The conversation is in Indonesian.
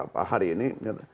pak hari ini